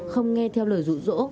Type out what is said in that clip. không nghe theo lời rủ rỗ